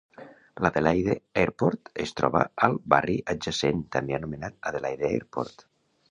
L'Adelaide Airport es troba al barri adjacent també anomenat Adelaide Airport.